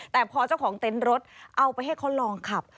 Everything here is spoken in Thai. แต่พอเจ้าของเต็นต์รถเอาไปให้เขาลองขับ